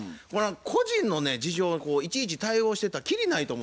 個人のね事情をいちいち対応してたらきりないと思うんですわ。